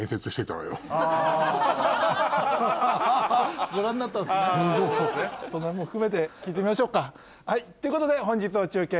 そのへんも含めて聞いてみましょうか。ということで本日の中継